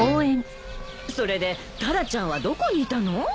それでタラちゃんはどこにいたの？